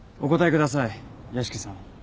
ください屋敷さん。